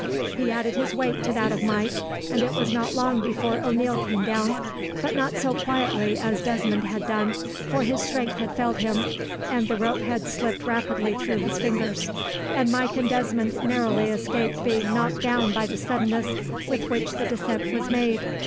He added his weight to that of Mike, and it was not long before O'Neil came down; but not so quietly as Desmond had done, for his strength had failed him, and the rope had slipped rapidly through his fingers, and Mike and Desmond narrowly escaped being knocked down by the suddenness with which the descent was made.